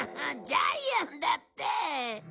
ジャイアンだって！